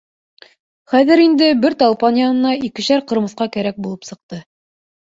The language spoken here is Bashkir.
Хәҙер инде бер талпан янына икешәр ҡырмыҫҡа кәрәк булып сыҡты.